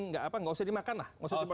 gak usah dipasukin makanan aneh aneh lah